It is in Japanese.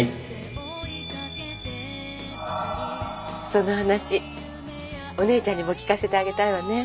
その話お姉ちゃんにも聞かせてあげたいわね。